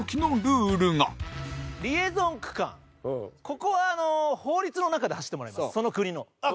ここは法律の中で走ってもらいます、その国の。